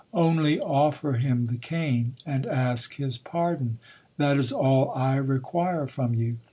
Only offer him the cane, and ask his pardon : that is all I require from you.